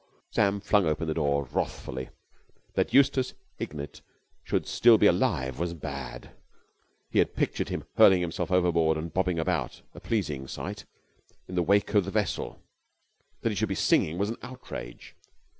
Sam flung open the door wrathfully. That Eustace Hignett should still be alive was bad he had pictured him hurling himself overboard and bobbing about, a pleasing sight, in the wake of the vessel; that he should be singing was an outrage.